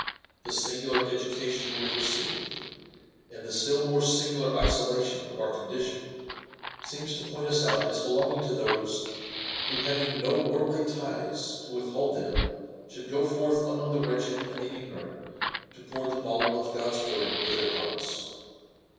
The singular education we have received, and the still more singular isolation of our condition, seems to point us out as belonging to those, who having no worldly lies to withhold them should go forth amongst the wretched and the ig norant to pour the balm of God's word into their hearts.